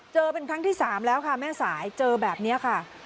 เป็นครั้งที่๓แล้วค่ะแม่สายเจอแบบนี้ค่ะ